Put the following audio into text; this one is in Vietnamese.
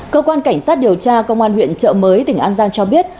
cơ quan cảnh sát điều tra công an huyện trợ mới tỉnh an giang cho biết